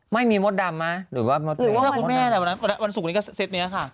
ไม่มีมดดำไหมหรือว่าหรือว่าคุณแม่แหละวันนั้นวันสุดนี้ก็เซ็ทเนี้ยค่ะ